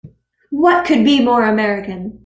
What could be more American!